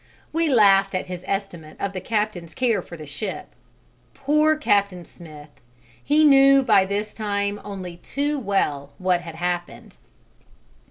We laughed at his estimate of the captain's care for the ship. Poor Captain Smith! he knew by this time only too well what had happened.